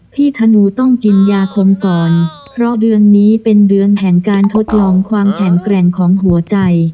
ธนูต้องกินยาคนก่อนเพราะเดือนนี้เป็นเดือนแห่งการทดลองความแข็งแกร่งของหัวใจ